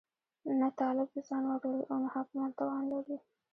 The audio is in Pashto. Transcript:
نه طالب د ځان واک لري او نه حاکمان توان لري.